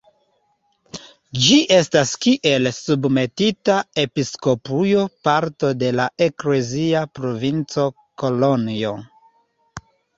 Ĝi estas kiel submetita episkopujo parto de la eklezia provinco Kolonjo.